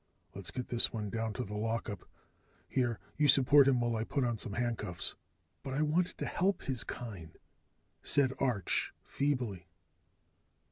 "Let's get this one down to the lockup. Here, you support him while I put on some handcuffs." "But I wanted to help his kind," said Arch feebly.